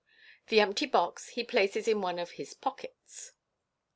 The empty box h6 places in one of his pochettes.